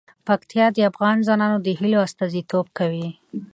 پکتیا د افغان ځوانانو د هیلو استازیتوب کوي.